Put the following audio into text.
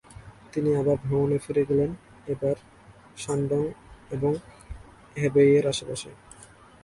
তিনি আবার ভ্রমণে ফিরে গেলেন, এবার শানডং এবং হেবেইয়ের আশেপাশে।